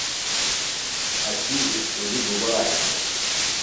اسی اُسکُلیۡ گُبا ہِنوۡ؟